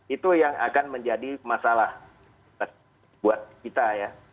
itu yang akan menjadi masalah buat kita ya